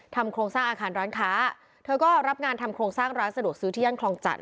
โครงสร้างอาคารร้านค้าเธอก็รับงานทำโครงสร้างร้านสะดวกซื้อที่ย่านคลองจันท